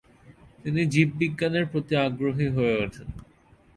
তিনি জীববিজ্ঞানের প্রতি আগ্রহী হয়ে ওঠেন।